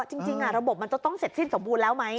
จริงระบบมันจะต้องเสร็จสิ้นสมบูรณ์แล้วไหม